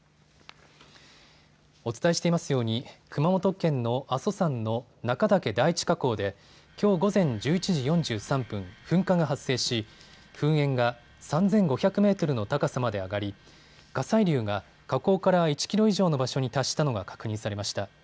お伝えしていますように熊本県の阿蘇山の中岳第一火口できょう午前１１時４３分、噴火が発生し、噴煙が３５００メートルの高さまで上がり火砕流が火口から１キロ以上の場所に達したのが確認されました。